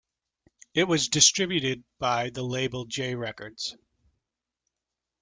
It was distributed by the label J Records.